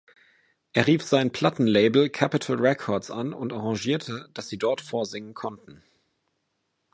Er rief sein Plattenlabel Capitol Records an und arrangierte, dass sie dort vorsingen konnten.